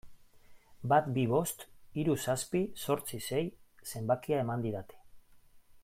Bat bi bost hiru zazpi zortzi sei zenbakia eman didate.